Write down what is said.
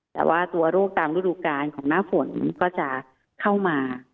แต่ว่าตัวโรคตามฤดูการของหน้าฝนก็จะเข้ามา